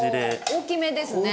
大きめですね。